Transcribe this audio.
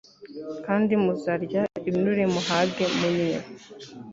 kandi muzarya ibinure muhage munywe